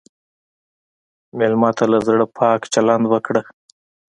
مېلمه ته له زړه پاک چلند وکړه.